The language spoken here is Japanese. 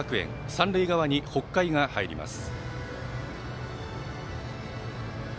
三塁側に北海が入ります。